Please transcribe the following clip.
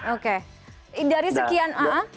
oke dari sekian